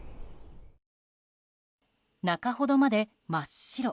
中ほどまで真っ白。